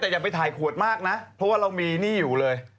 แต่อย่าไปถ่ายขวดมากนะเพราะว่าเรามีหนี้อยู่เลย